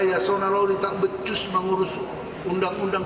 yasona lawli tak becus mengurus undang undang